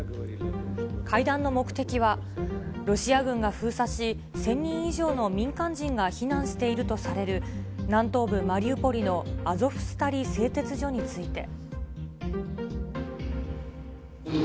会談の目的は、ロシア軍が封鎖し、１０００人以上の民間人が避難しているとされる南東部マリウポリのアゾフスタリ製鉄所について。